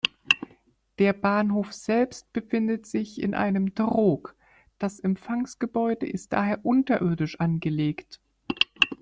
Der Bahnhof selbst befindet sich in einem Trog, das Empfangsgebäude ist daher unterirdisch angelegt.